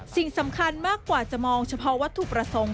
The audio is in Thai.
สิ่งสำคัญมากกว่าจะมองเฉพาะวัตถุประสงค์